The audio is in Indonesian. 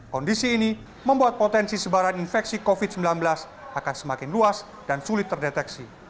kondisi ini membuat potensi sebaran infeksi covid sembilan belas akan semakin luas dan sulit terdeteksi